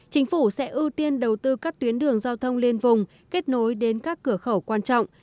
chính phủ sẽ ưu tiên đầu tư các tuyến đường giao thông liên vùng kết nối đến các cửa khẩu quan trọng